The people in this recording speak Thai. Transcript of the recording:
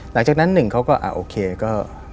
หลังจากนั้นเขาก็